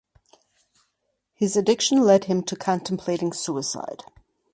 His addiction led to him contemplating suicide.